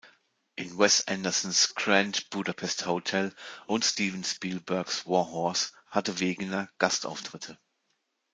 In Wes Andersons "Grand Budapest Hotel" und Steven Spielbergs "War Horse" hatte Wegener Gastauftritte.